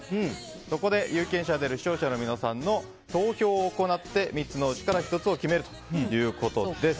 そこで有権者である視聴者の皆さんの投票を行って３つのうちから１つを決めるということです。